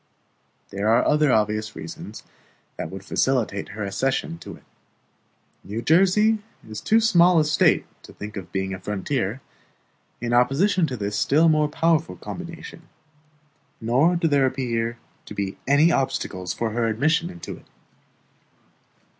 There are other obvious reasons that would facilitate her accession to it. New Jersey is too small a State to think of being a frontier, in opposition to this still more powerful combination; nor do there appear to be any obstacles to her admission into it.